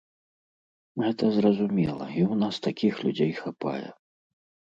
Гэта зразумела і ў нас такіх людзей хапае.